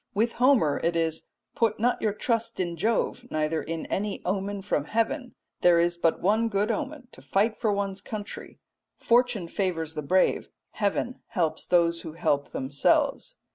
With Homer it is, "Put not your trust in Jove neither in any omen from heaven; there is but one good omen to fight for one's country. Fortune favours the brave; heaven helps those who help themselves."